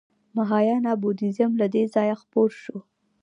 مهایانا بودیزم له دې ځایه خپور شو